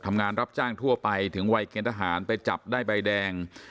รับจ้างทั่วไปถึงวัยเกณฑหารไปจับได้ใบแดง